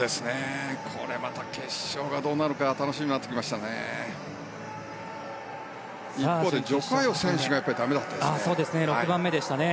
これまた決勝がどうなるか楽しみになってきましたね。